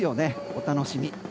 お楽しみ。